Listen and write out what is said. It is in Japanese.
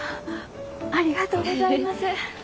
ありがとうございます。